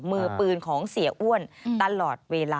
มือปืนของเสียอ้วนตลอดเวลา